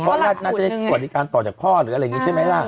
เพราะน่าจะได้สวัสดิการต่อจากพ่อหรืออะไรอย่างนี้ใช่ไหมล่ะ